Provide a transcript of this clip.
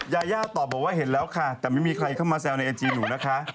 ยายาตอบบอกว่าเห็นแล้วค่ะแต่ไม่มีใครเข้ามาแซวในไอจีหนูนะคะ